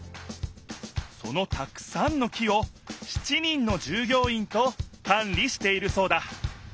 そのたくさんの木を７人のじゅうぎょういんとかん理しているそうだ